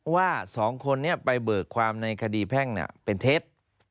ว่า๒คนนี้ไปเบิกความในคดีแพ่งเป็นเท็จ